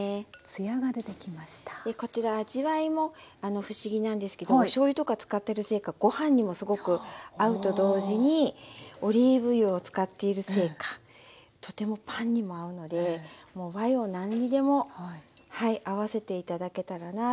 こちら味わいも不思議なんですけどおしょうゆとか使ってるせいかご飯にもすごく合うと同時にオリーブ油を使っているせいかとてもパンにも合うのでもう和洋何にでも合わせて頂けたらなと思います。